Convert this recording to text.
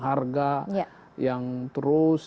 harga yang terus